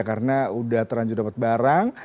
karena udah terlanjur dapat barang